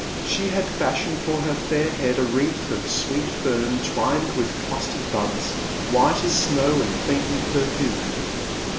She had fashioned for her fair head a wreath of sweet fern twined with clustered buds, white as snow and faintly perfumed.